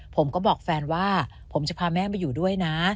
ผมก็บอกแฟนว่าผมจะพาแม่มาอยู่ด้วยนะ